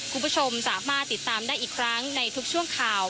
คุณผู้ชมสามารถติดตามได้อีกครั้งในทุกช่วงข่าว